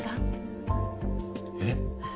えっ？